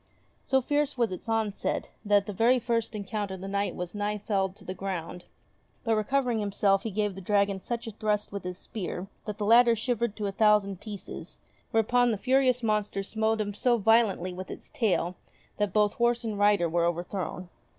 So fierce was its onset, that at the very first encounter the Knight was nigh felled to the ground ; but recovering him self he gave the dragon such a thrust with his spear that the latter shivered to a thousand pieces ; whereupon the furious monster smote him so violently with its tail that both horse and rider were overthrown.